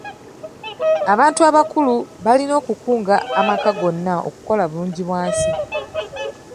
Abantu abakulu balina okukunga amaka gonna okukola bulungibwansi.